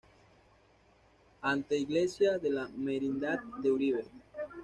Anteiglesia de la merindad de Uribe.